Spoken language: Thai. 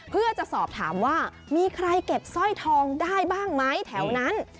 เพื่อจะสอบถามว่ามีใครเก็บสร้อยทองได้บ้างไหมแถวนั้น